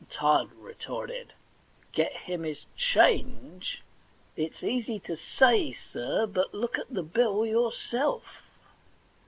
Tod retorted :* Get him his change ! It's easy to say, sir ; but look at the bill yourself.'